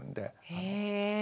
へえ！